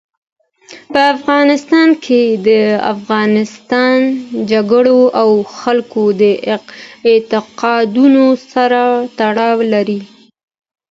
په افغانستان کې د افغانستان جلکو د خلکو د اعتقاداتو سره تړاو لري.